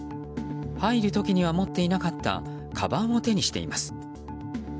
入るときには持っていなかったかばんを手にしています。